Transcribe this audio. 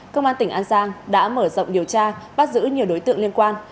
công an tỉnh an giang đã mở rộng điều tra bắt giữ nhiều đối tượng liên quan